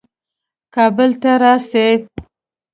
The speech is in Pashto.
کابل ته راسي.